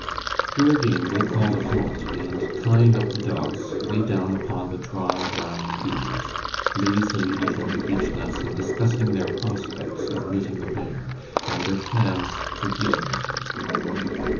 Here again they called a halt, and tying up the dogs, lay down upon the dry, brown leaves, lazily eating the beechnuts and discussing their prospects of meeting the bear, and their plans for dealing with him.